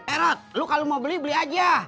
eh rat lu kalo mau beli beli aja